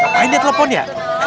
ngapain dia telponnya